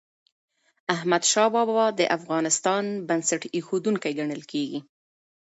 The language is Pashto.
احمدشاه بابا د افغانستان بنسټ ايښودونکی ګڼل کېږي.